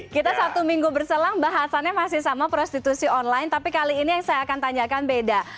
kita satu minggu berselang bahasannya masih sama prostitusi online tapi kali ini yang saya akan tanyakan beda